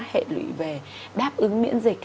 hệ lụy về đáp ứng miễn dịch